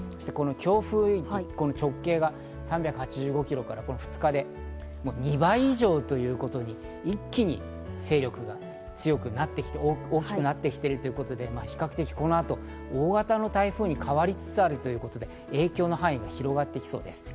強風域、直径が３８５キロが２日で２倍以上、一気に勢力が強くなってきて大きくなってきているということで、比較的この後、大型の台風に変わりつつあるということで影響の範囲が広がっていきそうです。